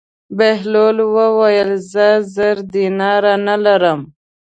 بهلول وویل: زه زر دیناره نه لرم.